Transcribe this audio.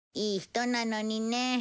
いい人なのにね。